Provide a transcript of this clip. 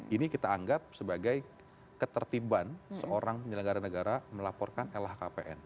ini kita anggap sebagai ketertiban seorang penyelenggara negara melaporkan lhkpn